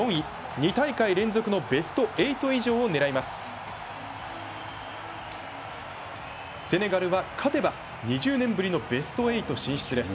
２大会連続のベスト８以上を狙います。